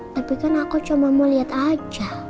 tapi kan aku cuma mau lihat aja